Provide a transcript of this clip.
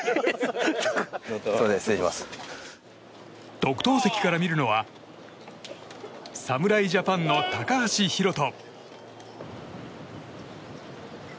特等席から見るのは侍ジャパンの高橋宏斗。